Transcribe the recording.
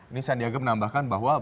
ini sandiaga menambahkan bahwa